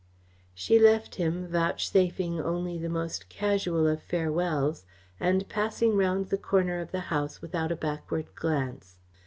She left him, vouchsafing only the most casual of farewells, and passing round the corner of the house without a backward glance.